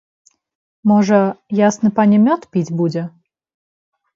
Можа, ясны пане мёд піць будзе?